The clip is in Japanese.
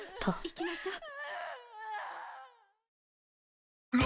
・行きましょう・